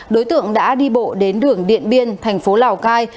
đối tượng đã đi bộ đến đường điện biên thành phố lào cai